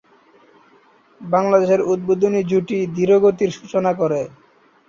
বাংলাদেশের উদ্বোধনী জুটি ধীরগতির সূচনা করে।